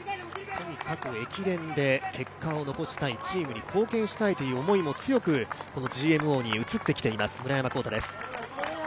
とにかく駅伝で結果を残したい、チームに貢献したいという思いも強くＧＭＯにうつってきています、村山紘太です。